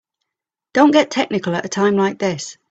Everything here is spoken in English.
Don't get technical at a time like this.